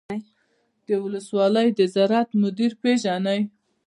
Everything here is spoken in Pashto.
د ولسوالۍ د زراعت مدیر پیژنئ؟